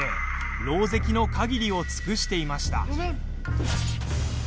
ろうぜきのかぎりを尽くしていました。